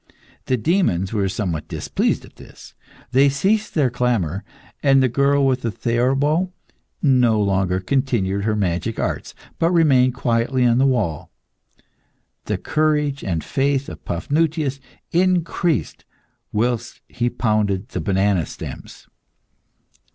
The demons were somewhat displeased at this; they ceased their clamour, and the girl with the theorbo no longer continued her magic arts, but remained quietly on the wall. The courage and faith of Paphnutius increased whilst he pounded the banana stems.